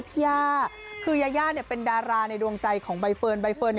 ไปเฟิร์น่ายนี่เป็นดาราในดวงใจของใบเฟิร์น